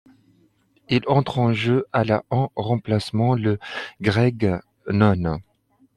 Il entre en jeu à la en remplacement de Craig Noone.